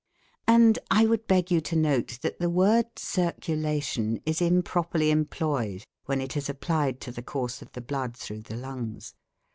And I would beg you to note that the word "circulation" is improperly employed when it is applied to the course of the blood through the lungs.